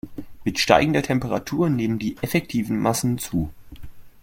Mit steigender Temperatur nehmen die effektiven Massen zu.